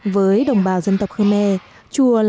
với đồng bào dân tộc khmer